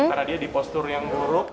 karena dia di postur yang buruk